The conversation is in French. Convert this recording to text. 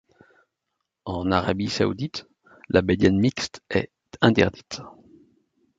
En Arabie saoudite, la baignade mixte est interdite.